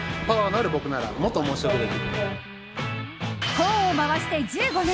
コーンを回して１５年。